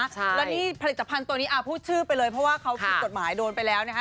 แล้วนี่ผลิตภัณฑ์ตัวนี้พูดชื่อไปเลยเพราะว่าเขาผิดกฎหมายโดนไปแล้วนะคะ